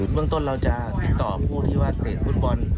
เรื่องต้นเราจะติดต่อผู้ที่ว่าเตะฟุตบอล